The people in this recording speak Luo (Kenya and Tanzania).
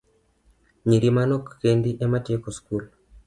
Nyiri manok kende ema tieko skul.